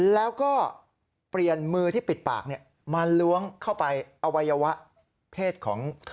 แล้วก็เปลี่ยนมือที่ปิดปากมาล้วงเข้าไปอวัยวะเพศของเธอ